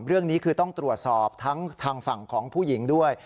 เรื่องนี้คือต้องตรวจสอบทั้งทางฝั่งของผู้หญิงด้วย